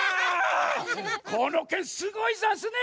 このけんすごいざんすね。